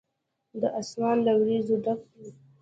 دا آسمان له وريځو ډک دی.